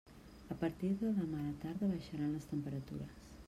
A partir de demà a la tarda baixaran les temperatures.